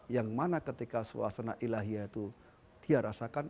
yang mana ketika suasana ilahiyah itu dia rasakan